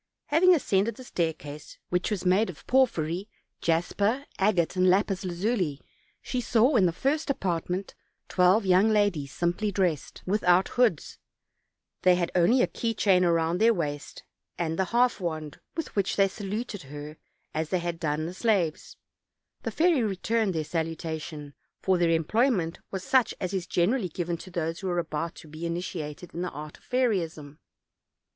Having ascended the stair case, which was made of porphyry, jasper, agate and lapis lazuli, she saw in the first apartment twelve young ladies simply dressed, without hoods; they had only a key chain round their waist, and the half wand, with which they saluted her as had done the slaves; the fairy re turned their salutation, for their employment was such as is generally given to those who are about to be initiated in the art of fairyism.